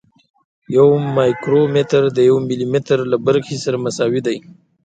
یو مایکرومتر د یو ملي متر له برخې سره مساوي دی.